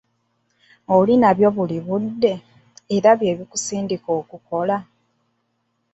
Oli nabyo buli budde, era bye bikusindika okukola.